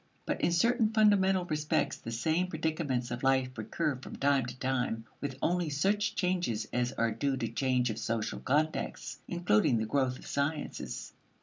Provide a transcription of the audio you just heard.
But in certain fundamental respects the same predicaments of life recur from time to time with only such changes as are due to change of social context, including the growth of the sciences.